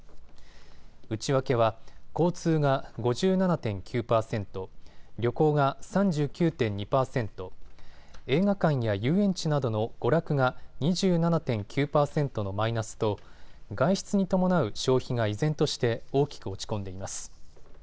内訳は交通が５７．９％、旅行が３９．２％、映画館や遊園地などの娯楽が２７．９％のマイナスと外出に伴う消費が依然として大きく落ち込んでいます。